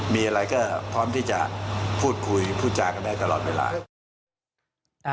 มีอะไรก็พร้อมที่จะพูดคุยพูดจากันได้ตลอดเวลา